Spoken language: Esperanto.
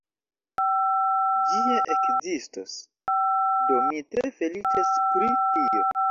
Ĝi ja ekzistos, do mi tre feliĉas pri tio